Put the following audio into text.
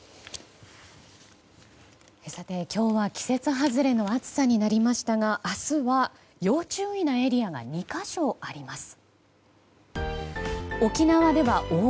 さて今日は季節外れの暑さになりましたが明日は、要注意なエリアが２か所あります。